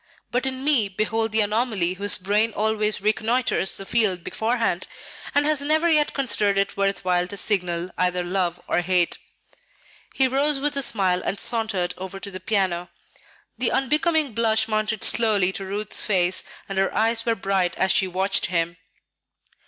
But in me behold the anomaly whose brain always reconnoitres the field beforehand, and has never yet considered it worth while to signal either 'love' or 'hate.'" He rose with a smile and sauntered over to the piano. The unbecoming blush mounted slowly to Ruth's face and her eyes were bright as she watched him.